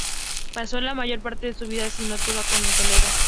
Pasó la mayor parte de su vida, si no toda, en Toledo.